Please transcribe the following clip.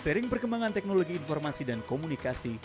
seiring perkembangan teknologi informasi dan komunikasi